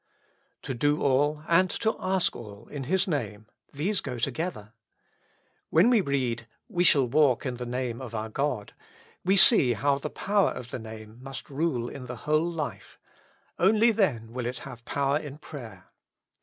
'' To do all and to ask all in His Name, these go together. When we read, We shall walk in the Name of our God," we see how the power of the Name must rule in the whole life ; only then will it have power in prayer.